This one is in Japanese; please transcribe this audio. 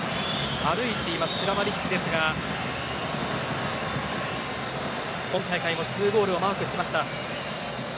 歩いているクラマリッチですが今大会も２ゴールをマークしました。